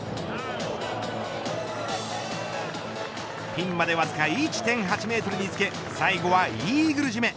ピンまでわずか１．８メートルにつけ最後はイーグル締め。